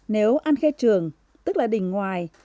nếu an khê trường tức là đình ngoài